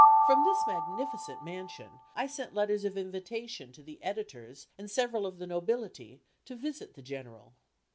From this magnificent mansion, I sent letters of invitation to the editors and several of the nobility, to visit the General.